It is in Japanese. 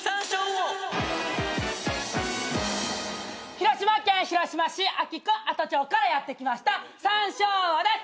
広島県広島市安芸区阿戸町からやって来ました山椒魚です。